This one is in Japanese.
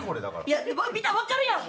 いや見たら分かるやん！